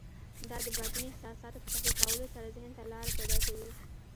دا د باطني احساساتو په تحريکولو سره ذهن ته لاره پيدا کوي.